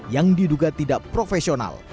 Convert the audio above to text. yang diduga tidak profesional